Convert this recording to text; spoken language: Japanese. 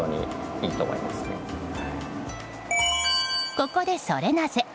ここでソレなぜ？